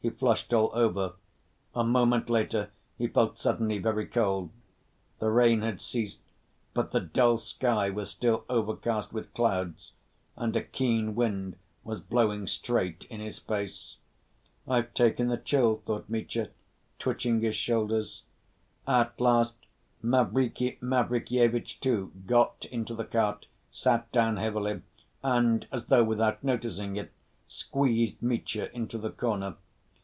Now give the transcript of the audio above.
He flushed all over. A moment later he felt suddenly very cold. The rain had ceased, but the dull sky was still overcast with clouds, and a keen wind was blowing straight in his face. "I've taken a chill," thought Mitya, twitching his shoulders. At last Mavriky Mavrikyevitch, too, got into the cart, sat down heavily, and, as though without noticing it, squeezed Mitya into the corner.